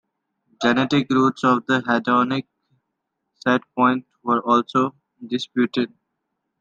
Genetic roots of the hedonic set point are also disputed.